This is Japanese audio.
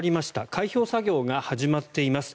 開票作業が始まっています。